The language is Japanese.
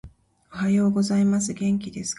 おはようございます。元気ですか？